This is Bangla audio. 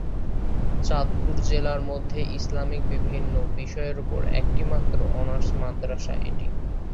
চাঁদপুর জেলার মধ্যে ইসলামিক বিভিন্ন বিষয়ের উপর একমাত্র অনার্স মাদ্রাসা এটি।